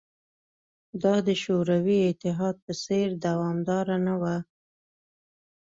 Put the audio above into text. دا د شوروي اتحاد په څېر دوامداره نه وه